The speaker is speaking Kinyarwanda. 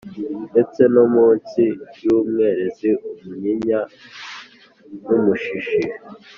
ndetse no mu nsi y’umwerezi, umunyinya n’umushishi,